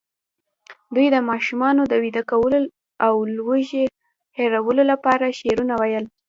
دوی د ماشومانو د ویده کولو او لوږې هېرولو لپاره شعرونه ویل.